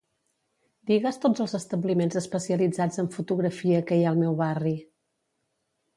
Digues tots els establiments especialitzats en fotografia que hi ha al meu barri.